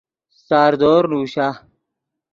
ساردور نوشا